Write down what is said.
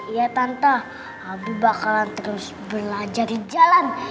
iya tante abi bakalan terus belajar di jalan